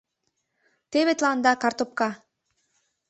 Теве тыланда картопка!